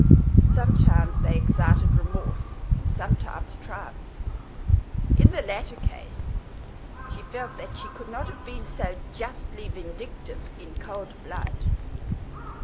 Sometimes they excited remorse, and sometimes triumph; in the latter case she felt that she could not have been so justly vindictive in cold blood.